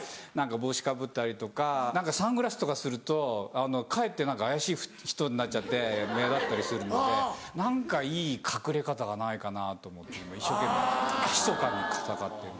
帽子かぶったりとかサングラスとかするとかえって怪しい人になっちゃって目立ったりするので何かいい隠れ方がないかなと思って今一生懸命ひそかに戦ってる。